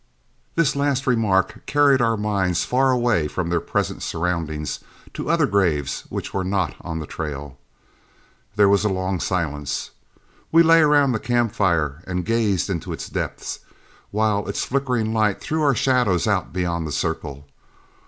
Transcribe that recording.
This last remark carried our minds far away from their present surroundings to other graves which were not on the trail. There was a long silence. We lay around the camp fire and gazed into its depths, while its flickering light threw our shadows out beyond the circle.